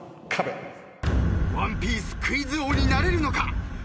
ワンピースクイズ王になれるのか。